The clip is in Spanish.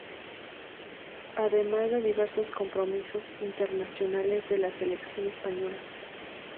Además de diversos compromisos internacionales de la Selección española.